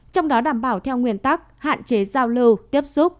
trong đó đảm bảo theo nguyên tắc hạn chế giao lưu tiếp xúc